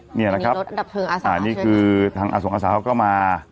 เนี่ยนะครับอ่านี่คือทางอสงอสาเขาก็มา